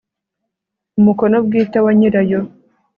umukono bwite wa nyirayo